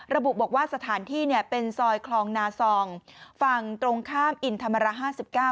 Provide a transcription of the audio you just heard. ระบุบอกว่าสถานที่เนี้ยเป็นซอยคลองนาซองฝั่งตรงข้ามอินธรรมระห้าสิบเก้า